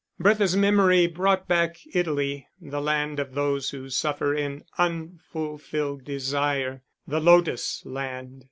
Bertha's memory brought back Italy, the land of those who suffer in unfulfilled desire, the lotus land.